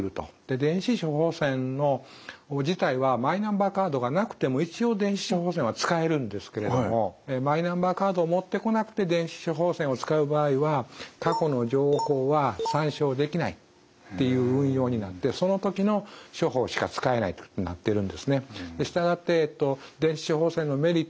電子処方箋自体はマイナンバーカードがなくても一応電子処方箋は使えるんですけれどもマイナンバーカードを持ってこなくて電子処方箋を使う場合は過去の情報は参照できないという運用になってその時の処方しか使えないとなってるんですね。